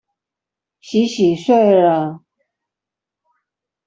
洗洗睡了